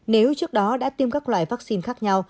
nếu trước đó đã tiêm các loại vắc xin khác nhau